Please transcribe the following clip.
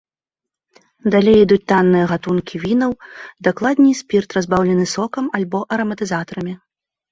Далей ідуць танныя гатункі вінаў, дакладней, спірт, разбаўлены сокам альбо араматызатарамі.